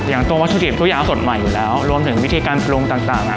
อย่างตัววัตถุดิบทุกอย่างสดใหม่อยู่แล้วรวมถึงวิธีการปรุงต่าง